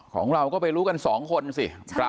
ของเราก็ไปรู้กัน๒คนสิ